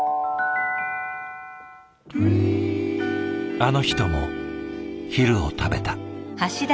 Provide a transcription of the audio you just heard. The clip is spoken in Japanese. あの人も昼を食べた。